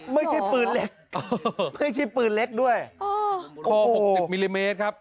ไม่ใช่ปืนเล็กไม่ใช่ปืนเล็กด้วยคอ๖๐มิลลิเมตรครับ